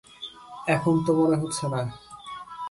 এখন তা মনে হচ্ছে না।